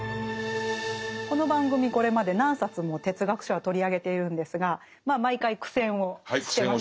この番組これまで何冊も哲学書は取り上げているんですがまあ毎回苦戦をしてますよね。